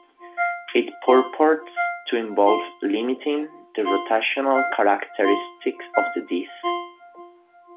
It purports to involve limiting the rotational characteristics of the dice.